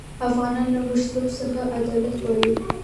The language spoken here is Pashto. افغانان له مشرتوب څخه عدالت غواړي.